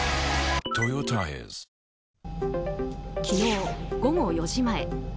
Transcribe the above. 昨日、午後４時前。